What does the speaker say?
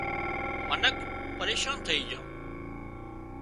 منک پريشان ٿئي جھان